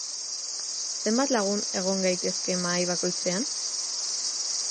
Zenbat lagun egon gaitezke mahai bakoitzean?